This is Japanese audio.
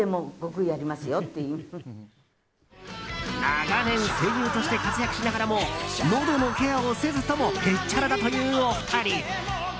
長年、声優として活躍しながらものどのケアをせずともへっちゃらだというお二人。